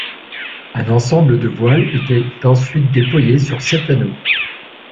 Un ensemble de voiles était ensuite déployé sur cet anneau.